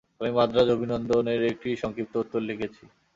আমি মান্দ্রাজ অভিনন্দনের একটি সংক্ষিপ্ত উত্তর লিখিতেছি।